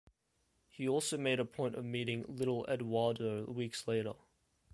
He also made a point of meeting "little Eduardo" weeks later.